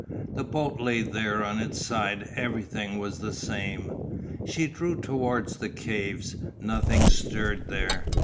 The boat lay there on its side, everything was the same. She drew towards the caves. Nothing stirred there.